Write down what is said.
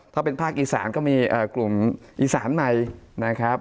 ถ้าเป็นภาคอีสานก็มีกลุ่มอีสานใหม่นะครับ